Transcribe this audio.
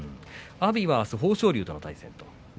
阿炎はあす豊昇龍との対戦です。